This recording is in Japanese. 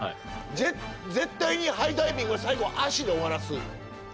絶対にハイダイビングは最後足で終わらす？